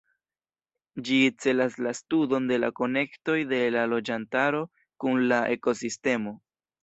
Ĝi celas la studon de la konektoj de la loĝantaro kun la ekosistemo.